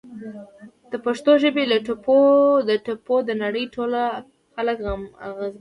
د پښتو ژبې له ټپو د نړۍ ټول خلک اغیزمن دي!